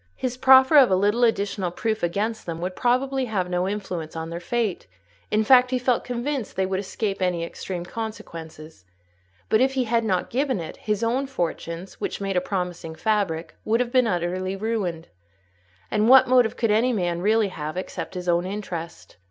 His proffer of a little additional proof against them would probably have no influence on their fate; in fact, he felt convinced they would escape any extreme consequences; but if he had not given it, his own fortunes, which made a promising fabric, would have been utterly ruined. And what motive could any man really have, except his own interest?